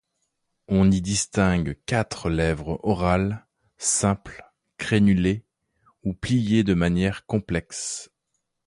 On y distingue quatre lèvres orales, simples, crénulées, ou pliées de manière complexe.